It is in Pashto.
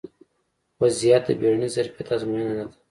ا وضعیت د بیړني ظرفیت ازموینه نه ده